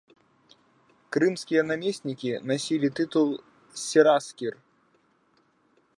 Крымскія намеснікі насілі тытул сераскір.